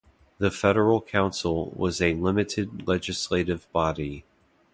The Federal Council was a limited legislative body.